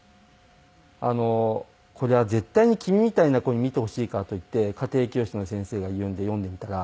「これは絶対に君みたいな子に見てほしいから」と言って家庭教師の先生が言うんで読んでみたら。